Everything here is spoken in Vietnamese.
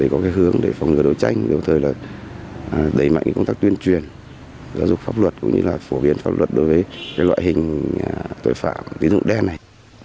công an tỉnh bắc cạn kiên quyết đấu tranh mạnh với tội phạm này